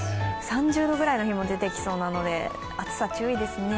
３０度ぐらいの日も出てきそうで暑さ注意ですね。